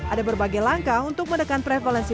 ada berbagai langkah untuk menekan prevalensi